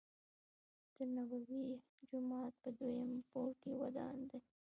دنبوی جومات په دویم پوړ کې ودان دی.